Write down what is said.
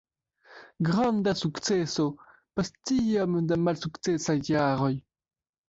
Granda sukceso post tiom da malsukcesaj jaroj.